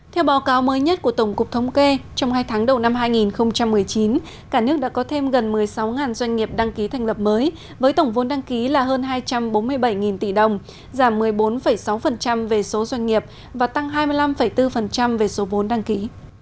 theo báo cáo mới nhất của tổng cục thống kê trong hai tháng đầu năm hai nghìn một mươi chín cả nước đã có thêm gần một mươi sáu doanh nghiệp đăng ký thành lập mới với tổng vốn đăng ký là hơn hai trăm bốn mươi bảy tỷ đồng giảm một mươi bốn sáu về số doanh nghiệp và tăng hai mươi năm bốn về số vốn đăng ký